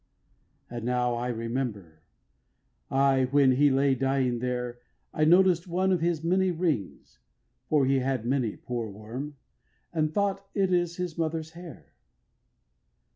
And now I remember, I, When he lay dying there, I noticed one of his many rings (For he had many, poor worm) and thought It is his mother's hair.